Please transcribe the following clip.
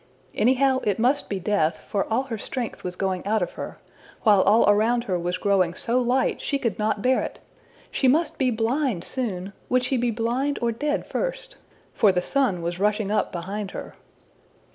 Anyhow, it must be death; for all her strength was going out of her, while all around her was growing so light she could not bear it! She must be blind soon! Would she be blind or dead first? For the sun was rushing up behind her.